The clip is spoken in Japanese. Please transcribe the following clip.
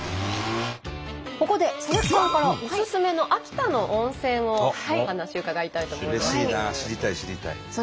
ここで佐々木さんからおすすめの秋田の温泉のお話伺いたいと思います。